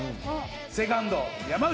セカンド山内。